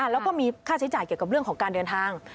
แล้วก็มีค่าใช้จ่ายเกี่ยวกับเรื่องของการเดินทาง